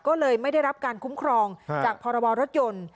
ก็เลยไม่ได้รับการคุ้มครองจากพรบรถยนต์